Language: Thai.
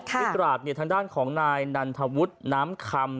ทิตราจทางด้านของนายนันทวฤพย์น้ำคำ